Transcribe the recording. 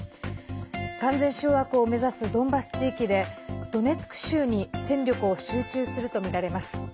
完全掌握を目指すドンバス地域でドネツク州に戦力を集中するとみられます。